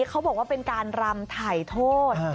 เขาบอกว่าเป็นการรำถ่ายโทษ